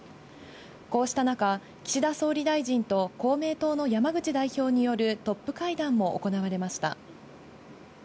こうした中、岸田総理大臣と公明党の山口代表によるトップ会談も行われました。